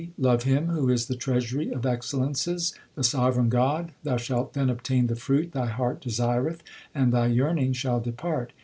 Love Him who is the treasury of excellences, the sovereign God ; Thou shalt then obtain the fruit thy heart desireth, and thy yearning shall depart.